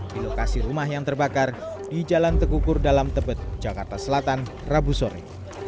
di lokasi rumah yang terbakar di jalan tegukur dalam tebet jakarta selatan rabu sore